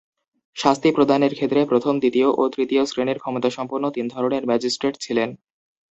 শাস্তি প্রদানের ক্ষেত্রে প্রথম, দ্বিতীয় ও তৃতীয় শ্রেণির ক্ষমতাসম্পন্ন তিন ধরনের ম্যাজিস্ট্রেট ছিলেন।